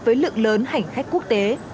với lượng lớn hành khách quốc tế